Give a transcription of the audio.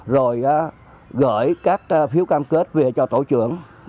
rồi gửi các phiếu cam kết về cho tổ trưởng